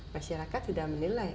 masyarakat sudah menilai